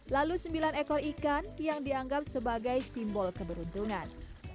lalu sembilan ekor ikan yang dianggap sebagai simbol keberuntungan